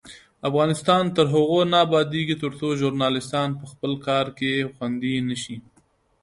افغانستان تر هغو نه ابادیږي، ترڅو ژورنالیستان په خپل کار کې خوندي نشي.